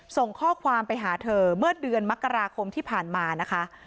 ส่งข้อความไปหาเธอเมื่อเดือนมกราคมที่ผ่านมานะคะ